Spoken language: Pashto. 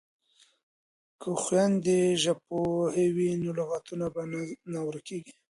که خویندې ژبپوهې وي نو لغاتونه به نه ورکیږي.